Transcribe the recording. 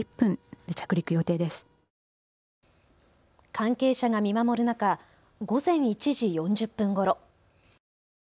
関係者が見守る中、午前１時４０分ごろ。